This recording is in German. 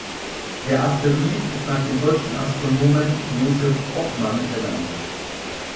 Der Asteroid ist nach dem deutschen Astronomen Josef Hopmann benannt.